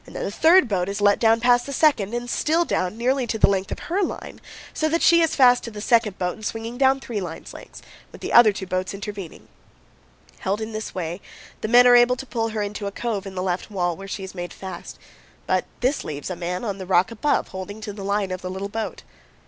Then the third boat is let down past the second, and still down, nearly to the length of her line, so that she is fast to the second boat and swinging down three lines' lengths, with the other two boats intervening. Held in this way, the men FROM THE UINTA TO THE GRAND. 197 are able to pull her into a cove in the left wall, where she is made fast. But this leaves a man on the rock above, holding to the line of the little boat.